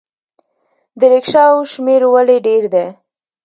د ریکشاوو شمیر ولې ډیر دی؟